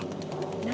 何？